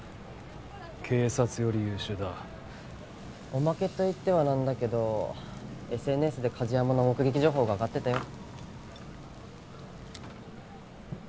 おまけと言ってはなんだけどＳＮＳで梶山の目撃情報が上がってたよ。